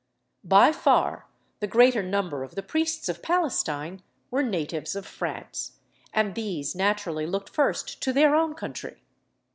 By far the greater number of the priests of Palestine were natives of France, and these naturally looked first to their own country.